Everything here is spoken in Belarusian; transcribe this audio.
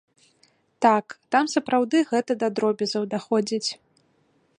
Так, там сапраўды гэта да дробязяў даходзіць.